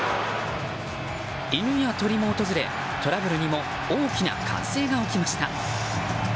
犬や鳥も訪れ、トラブルにも大きな歓声が起きました。